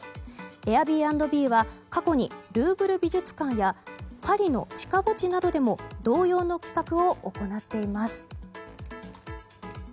エアビーアンドビーは過去にルーブル美術館やパリの地下墓地などでも同様の企画を行っています。